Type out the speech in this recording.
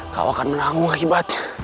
kau akan menanggung akibatnya